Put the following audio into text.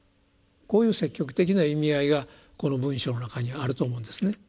こういう積極的な意味合いがこの文章の中にあると思うんですね。